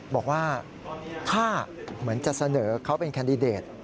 บอกว่าถ้าเหมือนจะเสนอเขาเป็นแคนดิเดต